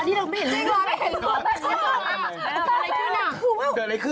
อันนี้เราไม่เห็นเรื่องนี้ไม่เคยรู้ว่ามันเกิดอะไรขึ้นอะ